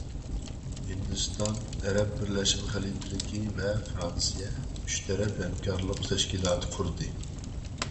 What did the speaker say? ھىندىستان، ئەرەب بىرلەشمە خەلىپىلىكى ۋە فىرانسىيە ئۈچ تەرەپ ھەمكارلىق تەشكىلاتى قۇردى.